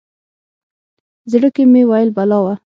زړه کې مې ویل بلا وه.